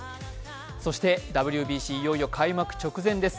そしてＷＢＣ、いよいよ開幕直前です。